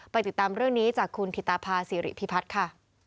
ติดตามเรื่องนี้จากคุณถิตาภาษีริพิพัฒน์ค่ะ